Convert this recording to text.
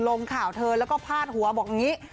ลงข่าวเธอแล้วก็พาดหัวบอกอย่างนี้